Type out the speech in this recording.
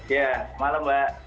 ya malam mbak